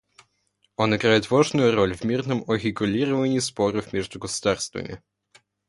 Он играет важную роль в мирном урегулировании споров между государствами.